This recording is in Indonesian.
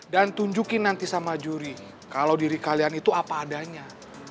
dan tunjukin nanti sama juri kalau diri kalian itu apa adanya